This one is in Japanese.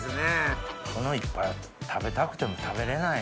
この一杯食べたくても食べれない